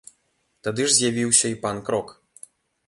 Тады ж з'явіўся і панк-рок.